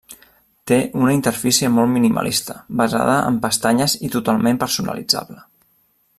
Té una interfície molt minimalista basada en pestanyes i totalment personalitzable.